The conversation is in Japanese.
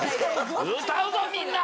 歌うぞみんな！